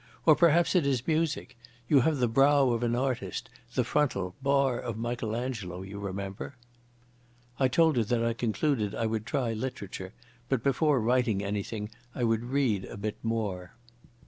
Or perhaps it is music? You have the brow of an artist, the frontal 'bar of Michelangelo', you remember!" I told her that I concluded I would try literature, but before writing anything I would read a bit more.